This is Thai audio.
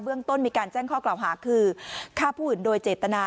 ต้นมีการแจ้งข้อกล่าวหาคือฆ่าผู้อื่นโดยเจตนา